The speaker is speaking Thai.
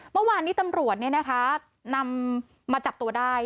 เมื่อวานนี้ตำรวจนำมาจับตัวได้